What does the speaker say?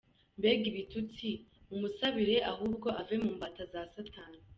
mbega ibitutsi, mumusabire ahubwo ave mu mbata za satani.